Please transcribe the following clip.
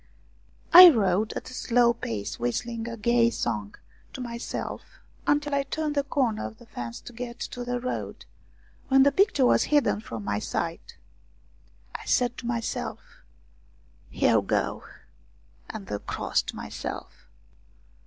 I rode at a slow pace whistling a gay song to myself until I turned the corner of the fence to get to the road, when the picture was hidden from my sight. I said to myself, " Here we go !" and crossed myself.